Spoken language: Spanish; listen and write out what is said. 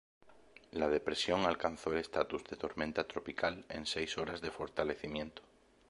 La depresión alcanzó el estatus de tormenta tropical en seis horas de fortalecimiento.